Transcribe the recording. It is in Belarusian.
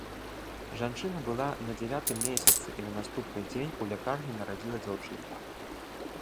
Жанчына была на дзявятым месяцы і на наступны дзень у лякарні нарадзіла дзяўчынку.